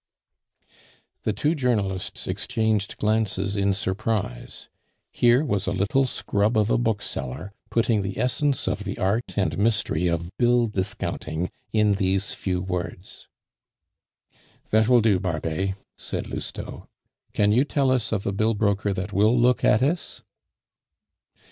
The two journalists exchanged glances in surprise. Here was a little scrub of a bookseller putting the essence of the art and mystery of bill discounting in these few words. "That will do, Barbet," said Lousteau. "Can you tell us of a bill broker that will look at us?"